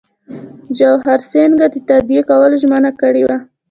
جواهر سینګه د تادیه کولو ژمنه کړې وه.